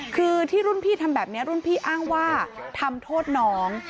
คือที่รุ่นพี่ทำแบบนี้รุ่นพี่อ้างว่าทำโทษน้อง